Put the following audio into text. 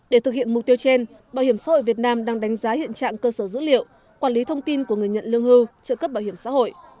để thực hiện mục tiêu trên bảo hiểm xã hội việt nam đang đánh giá hiện trạng cơ sở dữ liệu quản lý thông tin của người nhận lương hưu trợ cấp bảo hiểm xã hội